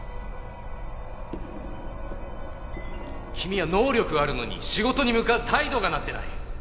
君は能力はあるのに仕事に向かう態度がなってない。